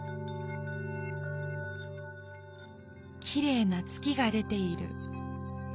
「きれいな月が出ている。